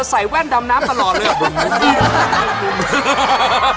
เธอใส่แว่นดำน้ำตลอดเลย